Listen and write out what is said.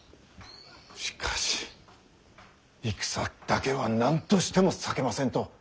しかし戦だけは何としても避けませんと！